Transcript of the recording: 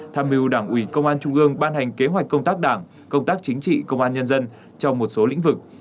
tham mưu đảng ủy công an trung ương ban hành kế hoạch công tác đảng công tác chính trị công an nhân dân trong một số lĩnh vực